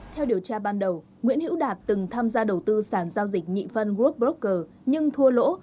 theo điều tra ban đầu nguyễn hữu đạt từng tham gia đầu tư sản giao dịch nhị phân group blockcha nhưng thua lỗ